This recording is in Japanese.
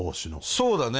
そうだね。